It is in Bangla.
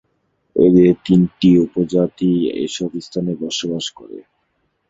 এদের তিনটি উপপ্রজাতি এসব স্থানে বাস করে।